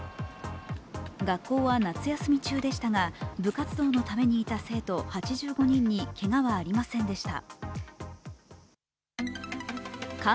学校は夏休み中でしたが部活動のためにいた生徒８５人にけがはありませんでした。